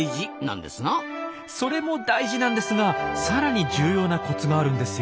それも大事なんですがさらに重要なコツがあるんですよ。